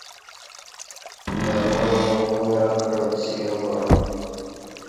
ڈنگوراں کویاں کٹا څیاکعا